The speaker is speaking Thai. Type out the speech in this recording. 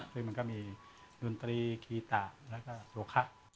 คือมันก็มีนุนตรีครีตะแล้วก็โรคะ